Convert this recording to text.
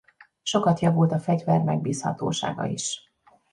Sokat javult a fegyver megbízhatósága is.